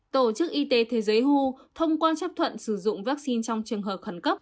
tổ chức y tế thế giới who thông qua chấp thuận sử dụng vaccine trong trường hợp khẩn cấp